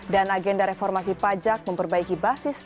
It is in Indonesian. dan agenda reformasi pajak memperbaiki basis data